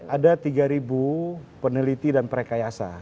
ada tiga peneliti dan prekayasa